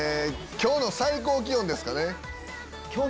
今日の最高気温ですか！